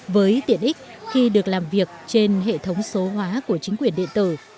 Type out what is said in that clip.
với tiện ích khi được làm việc trên hệ thống số hóa của chính quyền điện tử